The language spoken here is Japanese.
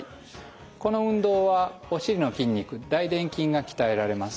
この運動はお尻の筋肉大でん筋が鍛えられます。